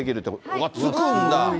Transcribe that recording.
わっ、つくんだ。